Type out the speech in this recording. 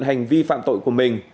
hành vi phạm tội của mình